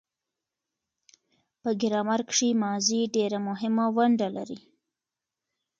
په ګرامر کښي ماضي ډېره مهمه ونډه لري.